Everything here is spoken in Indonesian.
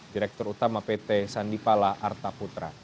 direktur utama pt sandi palus